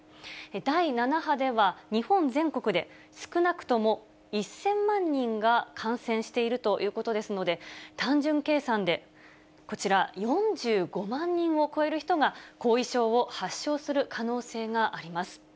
第７波では日本全国で少なくとも１０００万人が感染しているということですので、単純計算でこちら、４５万人を超える人が後遺症を発症する可能性があります。